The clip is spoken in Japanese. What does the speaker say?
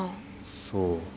そう。